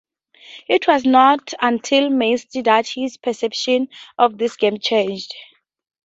It was not until "Myst" that his perception of these games changed.